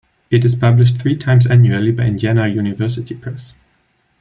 It is published three times annually by Indiana University Press.